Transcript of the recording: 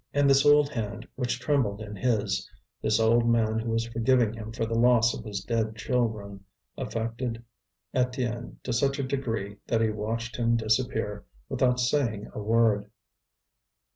And this old hand which trembled in his, this old man who was forgiving him for the loss of his dead children, affected Étienne to such a degree that he watched him disappear without saying a word.